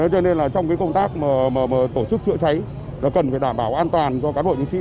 cho nên là trong công tác tổ chức chữa cháy cần phải đảm bảo an toàn cho các bộ nhân sĩ